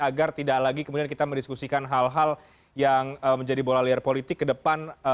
agar tidak lagi kemudian kita mendiskusikan hal hal yang menjadi bola liar politik ke depan